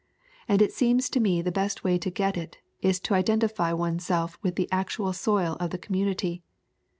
And it seems to me the best way to get it is to identify one self with the actual soil of the community.